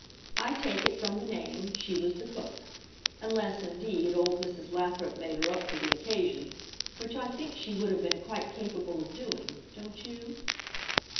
I take it, from the name, she was the cook. Unless, indeed, old Mrs. Lathrop made her up for the occasion, which I think she would have been quite capable of doing, don't you?